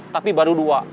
tapi baru dua